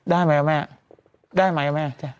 ได้ไหมอะแม่